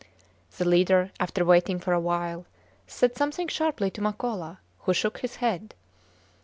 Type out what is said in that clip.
The leader, after waiting for a while, said something sharply to Makola, who shook his head.